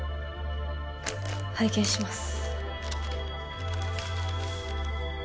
拝見します。